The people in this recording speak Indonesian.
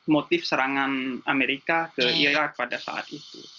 motif serangan amerika ke irf pada saat itu